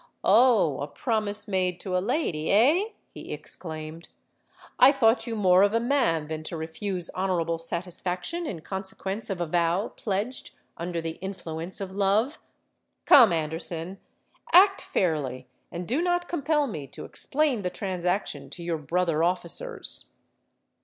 '—'Oh! a promise made to a lady, eh?' he exclaimed. 'I thought you more of a man than to refuse honourable satisfaction in consequence of a vow pledged under the influence of love. Come, Anderson, act fairly; and do not compel me to explain the transaction to your brother officers.'